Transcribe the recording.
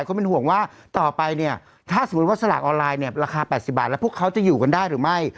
ก็เป็นห่วงว่าต่อไปเนี่ยถ้าสมมุติว่าสลากออนไลน์เนี่ยราคา๘๐บาทแล้วพวกเขาจะอยู่กันได้หรือไม่